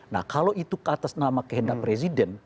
nah kalau itu ke atas nama kehendak presiden